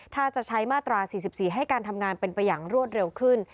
ถ้าจะใช้มาตรา๔๔ให้การทำงานเป็นไปอย่างรวดเร็วขึ้น